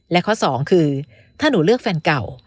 และข้อสองคือถ้าหนูเลือกแฟนเก่า